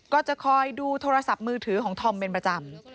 ก็จะคอยดูโทรศัพท์มือถือของธอมเป็นประจำ